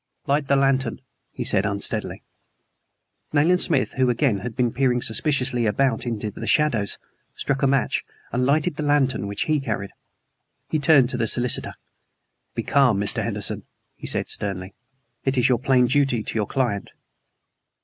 "Light the lantern," he said unsteadily. Nayland Smith, who again had been peering suspiciously about into the shadows, struck a match and lighted the lantern which he carried. He turned to the solicitor. "Be calm, Mr. Henderson," he said sternly. "It is your plain duty to your client."